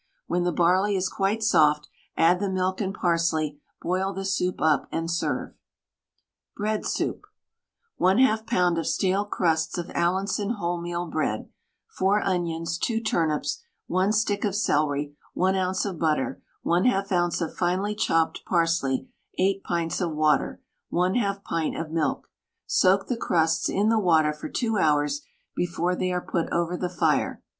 When the barley is quite soft, add the milk and parsley, boil the soup up, and serve. BREAD SOUP. 1/2 lb. of stale crusts of Allinson wholemeal bread, 4 onions, 2 turnips, 1 stick of celery, 1 oz. of butter, 1/2 oz. of finely chopped parsley, 8 pints of water, 1/2 pint of milk. Soak the crusts in the water for 2 hours before they are put over the fire.